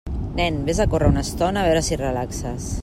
Nen, vés a córrer una estona, a veure si et relaxes.